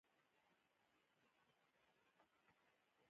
د هند د نیمې وچې پر لمن پاکستان راوزېږید.